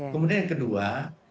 kemudian yang kedua